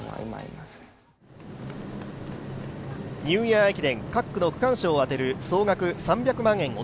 ニューイヤー駅伝、各区の区間賞を当てる総額３００万円